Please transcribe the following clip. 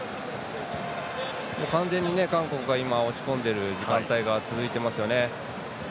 完全に韓国が押し込んでいる時間帯が続いていますよね。